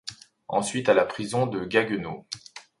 Ensuite, à la prison de Gaggenau.